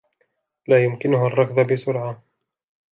لا يمكنه الركض بسرعة.